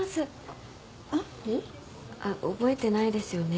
覚えてないですよね？